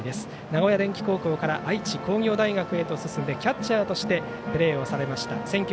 名古屋電気高校から愛知工業大学へと進んでキャッチャーとしてプレーされました。